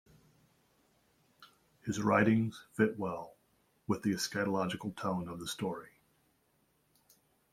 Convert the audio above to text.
His writings fit well with the eschatological tone of the story.